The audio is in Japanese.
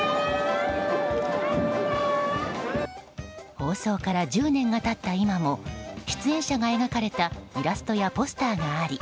放送から１０年が経った今も出演者が描かれたイラストやポスターがあり